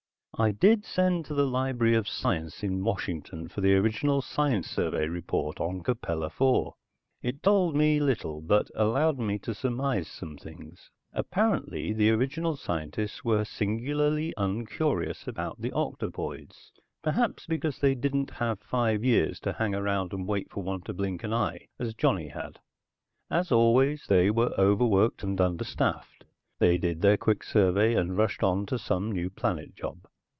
I did send to the Library of Science in Washington for the original science survey report on Capella IV. It told me little, but allowed me to surmise some things. Apparently the original scientists were singularly uncurious about the octopoids, perhaps because they didn't have five years to hang around and wait for one to blink an eye, as Johnny had. As always, they were overworked and understaffed, they did their quick survey and rushed on to some new planet job.